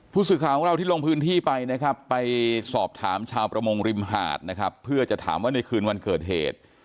ผู้สื่อข่าวของเราที่ลงพื้นที่ไปนะครับไปสอบถามชาวประมงริมหาดนะครับเพื่อจะถามว่าในคืนวันเกิดเหตุ